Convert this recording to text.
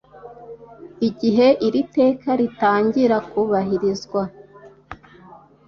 igihe iri teka ritangira kubahirizwa